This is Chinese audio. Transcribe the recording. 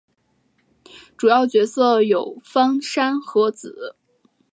主要角色有芳山和子。